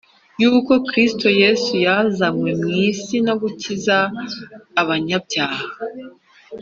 yuko Kristo Yesu yazanywe mu isi no gukiza abanyabyaha